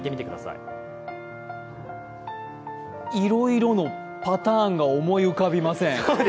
いろいろのパターンが思い浮かびません。